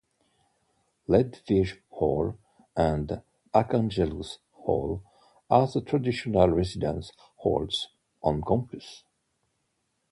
Ledwidge Hall and Archangelus Hall are the traditional residence halls on campus.